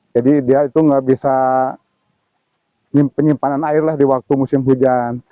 jadi dia itu nggak bisa penyimpanan air lah di waktu musim hujan